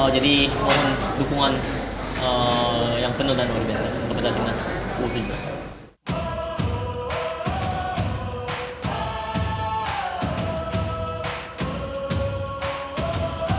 jadi mohon dukungan yang penuh dan luar biasa kepada timnas indonesia